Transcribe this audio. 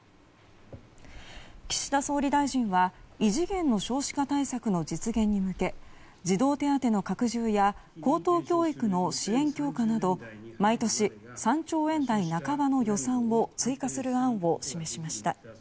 岸田総理大臣は異次元の少子化対策の実現に向け児童手当の拡充や高等教育の支援強化など毎年３兆円台半ばの予算を追加する案を示しました。